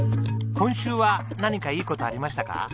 今週は何かいい事ありましたか？